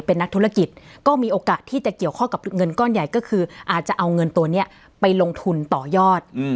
เป็นนักธุรกิจก็มีโอกาสที่จะเกี่ยวข้องกับเงินก้อนใหญ่ก็คืออาจจะเอาเงินตัวนี้ไปลงทุนต่อยอด